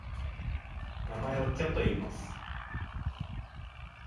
名前をテョといいます。